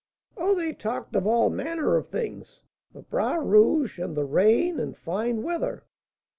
"Oh, they talked of all manner of things, of Bras Rouge, and the rain, and fine weather."